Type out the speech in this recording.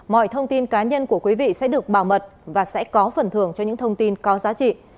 mọi thông tin cá nhân của quý vị sẽ được bảo mật và sẽ có phần thưởng cho những thông tin có giá trị